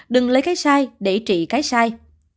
đừng lấy cái sai để trị cái sai